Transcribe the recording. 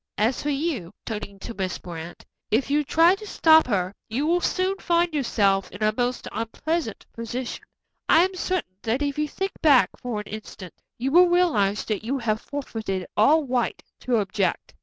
As for you," turning to Miss Brant, "if you try to stop her, you will soon find yourself in a most unpleasant position. I am certain that if you think back for an instant you will realize that you have forfeited all right to object."